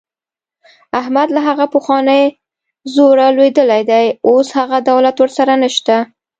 احمد له هغه پخواني زوره لوېدلی دی. اوس هغه دولت ورسره نشته.